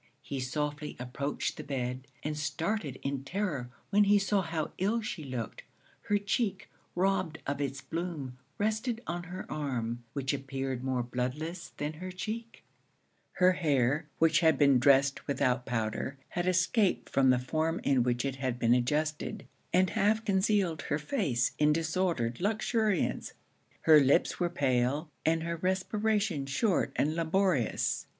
He softly approached the bed, and started in terror when he saw how ill she looked. Her cheek, robbed of it's bloom, rested on her arm, which appeared more bloodless than her cheek; her hair, which had been dressed without powder, had escaped from the form in which it had been adjusted, and half concealed her face in disordered luxuriance; her lips were pale, and her respiration short and laborious.